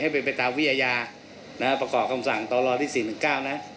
ให้เป็นไปตามวิญญาณนะฮะประกอบคำสั่งต่อรอที่สิบหนึ่งเก้านะ